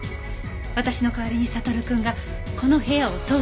私の代わりに悟くんがこの部屋を捜査するの。